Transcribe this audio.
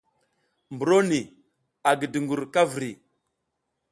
Mburo ni a gi dungur ka vri.